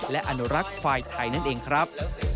และอนุรักษ์ควายไทยนั่นเองครับ